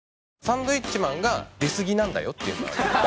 サンドウィッチマンが出すぎなんだよっていうのは。